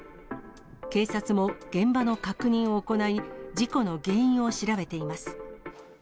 警察も現場の確認を行い、事故の原因を調べています。